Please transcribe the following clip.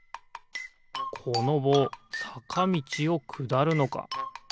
このぼうさかみちをくだるのか。